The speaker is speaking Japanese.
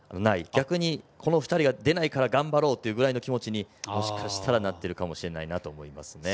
逆にこの２人が出ないから頑張ろうぐらいの気持ちにもしかしたら、なってるかもしれないなと思います。